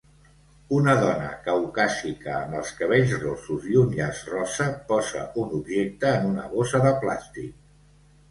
Una dona caucàsica amb els cabells rossos i un llaç rosa posa un objecte en una bossa de plàstic.